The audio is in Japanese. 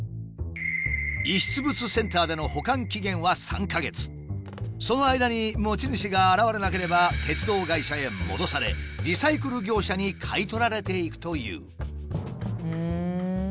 遺失物センターでのその間に持ち主が現れなければ鉄道会社へ戻されリサイクル業者に買い取られていくという。